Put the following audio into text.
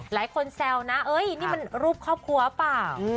หลายคนแซวนะเอ๊ยเนี่ยมันรูปครอบครัวป่าว